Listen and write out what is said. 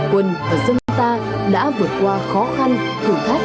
quân và dân ta đã vượt qua khó khăn thử thách